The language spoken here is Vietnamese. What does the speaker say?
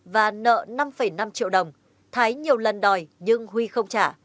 và nợ năm năm triệu đồng thái nhiều lần đòi nhưng huy không trả